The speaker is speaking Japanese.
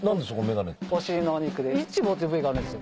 お尻のお肉でイチボという部位があるんです。